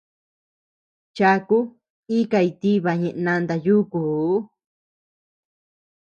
Chaku ikay tiba ñeʼe nanta yúkuu.